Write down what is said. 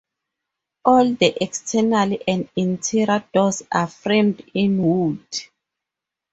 All the external and interior doors are framed in wood.